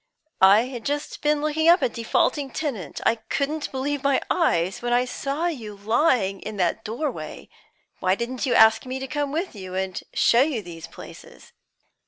I had just been looking up a defaulting tenant. I couldn't believe my eyes when I saw you lying in that doorway. Why didn't you ask me to come with you, and show you these places?"